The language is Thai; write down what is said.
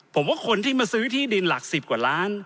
ผมว่าคนที่มาซื้อที่ดินหลัก๑๐กว่าล้าน